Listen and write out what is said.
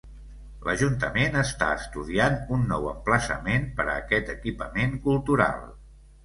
L'Ajuntament està estudiant un nou emplaçament per a aquest equipament cultural.